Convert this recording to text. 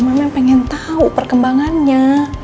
mama ingin tahu perkembangannya